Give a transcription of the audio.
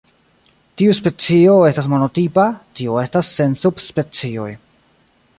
Tiu specio estas monotipa, tio estas sen subspecioj.